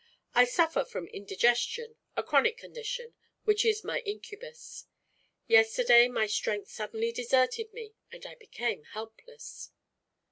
I suffer from indigestion, a chronic condition, which is my incubus. Yesterday my strength suddenly deserted me and I became helpless."